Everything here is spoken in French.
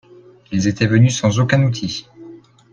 Ils étaient venus sans aucun outil.